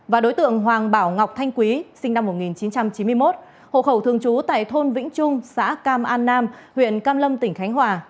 và đối tượng hoàng bảo ngọc thanh quý sinh năm một nghìn chín trăm chín mươi một hộ khẩu thường trú tại thôn vĩnh trung xã cam an nam huyện cam lâm tỉnh khánh hòa